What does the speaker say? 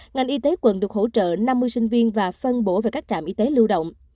ngành y tế quận được hỗ trợ năm mươi sinh viên và phân bổ về các trạm y tế lưu động